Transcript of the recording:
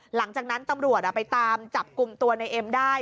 หลังจากนั้นตำรวจไปตามจับกลุ่มตัวในเอ็มได้